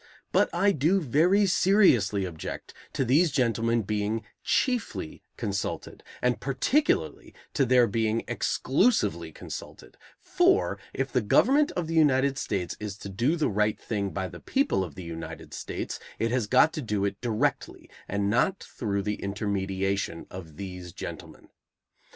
But I do very seriously object to these gentlemen being chiefly consulted, and particularly to their being exclusively consulted, for, if the government of the United States is to do the right thing by the people of the United States, it has got to do it directly and not through the intermediation of these gentlemen.